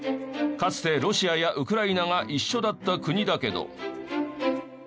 かつてロシアやウクライナが一緒だった国だけど。